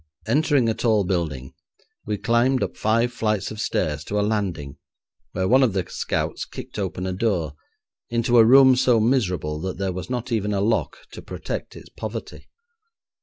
Entering a tall building, we climbed up five flights of stairs to a landing, where one of the scouts kicked open a door, into a room so miserable that there was not even a lock to protect its poverty.